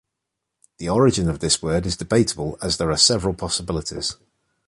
The origin of this word is debatable as there are several possibilities.